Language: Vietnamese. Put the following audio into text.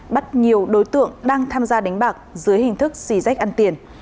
bắt nhiều đối tượng đang tham gia đánh bạc dưới hình thức xì rách ăn tiền